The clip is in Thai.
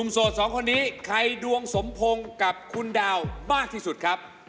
โสดสองคนนี้ใครดวงสมพงศ์กับคุณดาวมากที่สุดครับ